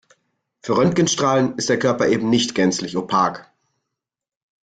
Für Röntgenstrahlen ist der Körper eben nicht gänzlich opak.